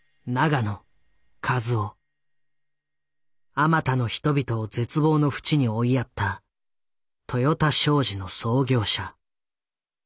あまたの人々を絶望のふちに追いやった豊田商事の創業者。